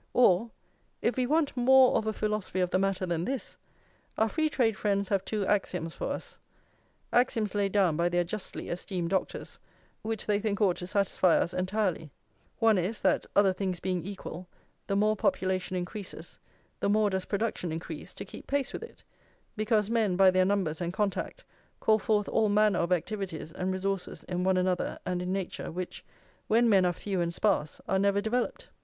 Or, if we want more of a philosophy of the matter than this, our free trade friends have two axioms for us, axioms laid down by their justly esteemed doctors, which they think ought to satisfy us entirely. One is, that, other things being equal, the more population increases, the more does production increase to keep pace with it; because men by their numbers and contact call forth all manner of activities and resources in one another and in nature, which, when men are few and sparse, are never developed.